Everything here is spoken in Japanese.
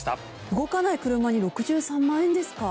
動かない車に６３万円ですか？